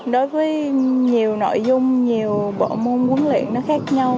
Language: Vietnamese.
đối với nhiều nội dung nhiều bộ môn huấn luyện nó khác nhau